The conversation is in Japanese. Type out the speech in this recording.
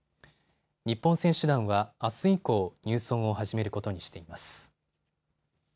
日本選手団はあす以降、入村を始めることにしています。